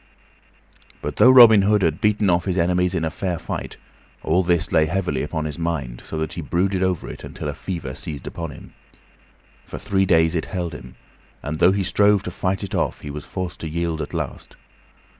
But though Robin Hood had beaten off his enemies in fair fight, all this lay heavily upon his mind, so that he brooded over it until a fever seized upon him. For three days it held him, and though he strove to fight it off, he was forced to yield at last.